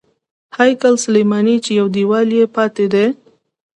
هیکل سلیماني چې یو دیوال یې پاتې دی.